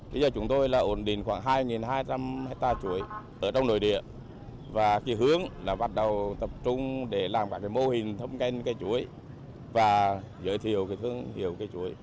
một hai trăm linh ha chuối ở trong nội địa và hướng là bắt đầu tập trung để làm các mô hình thông kênh cây chuối và giới thiệu thương hiệu cây chuối